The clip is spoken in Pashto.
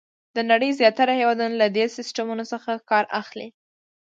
د نړۍ زیاتره هېوادونه له دې سیسټمونو څخه کار اخلي.